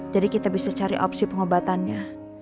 kita bisa cari opsi pengobatannya